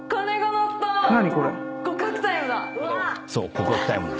告白タイムだ。